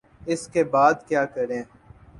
اس کے بعد کیا کریں؟